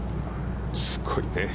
すごいね。